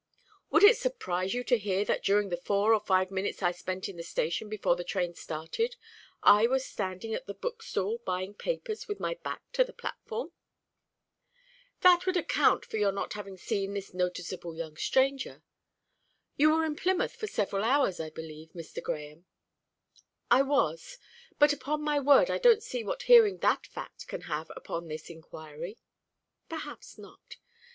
"Would it surprise you to hear that during the four or five minutes I spent in the station before the train started I was standing at the bookstall buying papers, with my back to the platform?" "That would account for your not having seen this noticeable young stranger. You were in Plymouth for several hours, I believe, Mr. Grahame?" "I was; but upon my word I don't see what hearing that fact can have upon this inquiry." "Perhaps not.